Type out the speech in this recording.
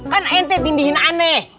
kan ente tingdihin aneh